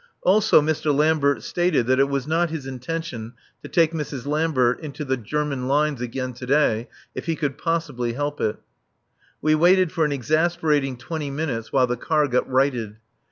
Also Mr. Lambert stated that it was not his intention to take Mrs. Lambert into the German lines again to day if he could possibly help it. We waited for an exasperating twenty minutes while the car got righted.